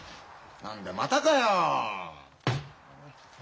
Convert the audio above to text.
何だまたかよ。